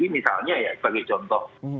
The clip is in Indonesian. misalnya ya sebagai contoh